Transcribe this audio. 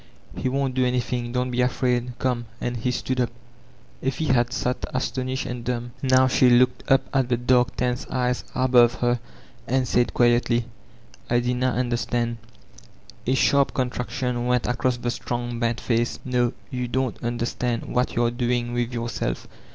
He won't do anything, don't be afraid Come." And he stood up. Effie had sat astonished and dumb. Now she looked up at the dark tense eyes above her, and said quietly, '1 dinna understand A sharp contraction went across the strong bent face: ^No? You don't understand what you are doing with yourself?